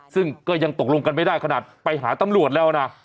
ซึ่งก็ยังตกลงกันไม่ได้ขนาดไปหาตำรวจแล้วนะ